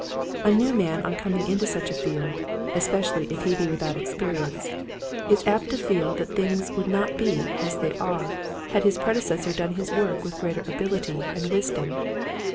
A new man on com ing into such a field — especially if he be without experience — is apt to feel that things would not be as they are had Starts Good and Bad. 39 his predecessor done his work with greater abiUty and wisdom.